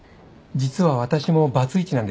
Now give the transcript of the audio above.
実は私もバツイチなんです。